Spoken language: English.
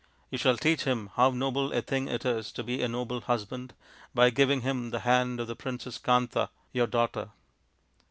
You shall teach him how noble a thing it is to be a noble husband, by giving him the hand of the Princess Kanta, your daughter.